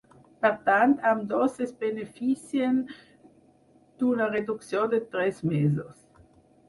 Per tant, ambdós es beneficien d’una reducció de tres mesos.